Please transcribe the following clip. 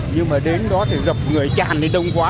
nhưng mà đến đó thì gặp người tràn thì đông quá